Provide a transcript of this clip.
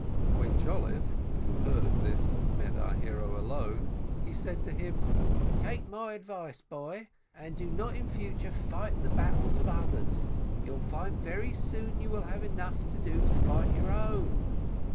When Jolliffe, who heard of this, met our hero alone, he said to him, "Take my advice, boy, and do not in future fight the battles of others, you'll find very soon that you will have enough to do to fight your own."